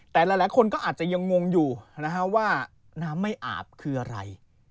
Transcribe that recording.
แต่หลายคนก็อาจจะยังงงอยู่นะฮะว่าน้ำไม่อาบคืออะไร